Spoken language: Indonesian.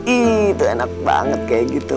ih itu enak banget kayak gitu